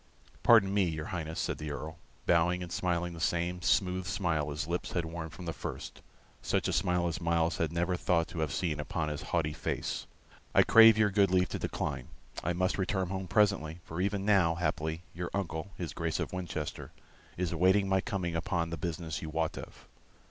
"Pardon me, your Highness," said the Earl, bowing, and smiling the same smooth smile his lips had worn from the first such a smile as Myles had never thought to have seen upon his haughty face; "I crave your good leave to decline. I must return home presently, for even now, haply, your uncle, his Grace of Winchester, is awaiting my coming upon the business you wot of.